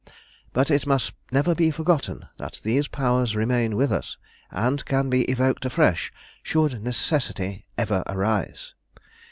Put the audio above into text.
"But it must never be forgotten that these powers remain with us, and can be evoked afresh should necessity ever arise.